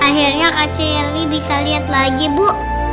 akhirnya kak celi bisa lihat lagi bu